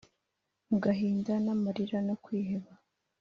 mu gahinda n'amarira no kwiheba?